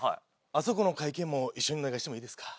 あそこの会計も一緒にお願いしてもいいですか。